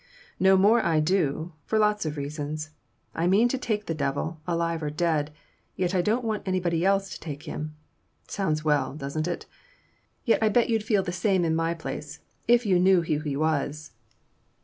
"No more I do for lots of reasons. I mean to take the devil, alive or dead, and yet I don't want anybody else to take him! Sounds well, doesn't it? Yet I bet you'd feel the same in my place if you knew who he was!"